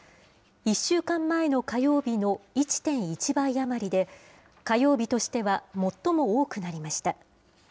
１週間前の火曜日の１．１倍余りで、火曜日としては最も多くなりました。